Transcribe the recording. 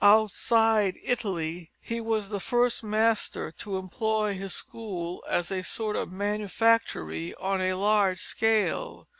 Outside Italy he was the first master to employ his school as a sort of manufactory on a large scale.